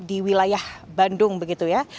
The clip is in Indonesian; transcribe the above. di wilayah bandung begitu ya